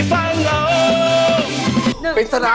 ๙บางทางหน้าเลยครับ